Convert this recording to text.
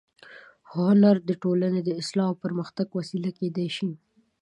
هنر د ټولنې د اصلاح او پرمختګ وسیله کېدای شي